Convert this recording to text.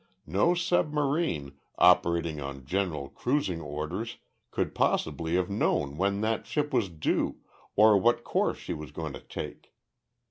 No submarine, operating on general cruising orders, could possibly have known when that ship was due or what course she was going to take.